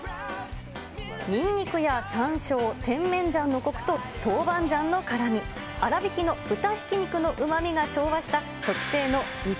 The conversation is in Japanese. ニンニクやさんしょう、テンメンジャンのこくと、トウバンジャンの辛み、あらびきの豚ひき肉のうまみが調和した特製の肉